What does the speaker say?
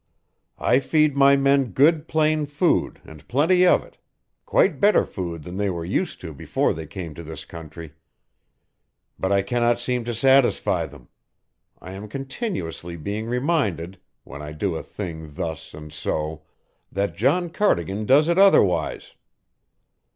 "I feed my men good plain food and plenty of it quite better food than they were used to before they came to this country; but I cannot seem to satisfy them. I am continuously being reminded, when I do a thing thus and so, that John Cardigan does it otherwise.